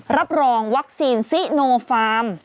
รับรองวัคซีนซิโนฟาร์ม